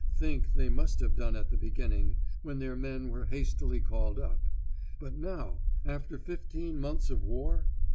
Think they must have done at the beginning, when their men were hastily called up. But now, after fifteen months of war?